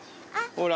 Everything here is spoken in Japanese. ほら。